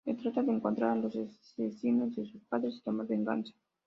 El tratara de encontrar a los asesinos de sus padres y tomar venganza.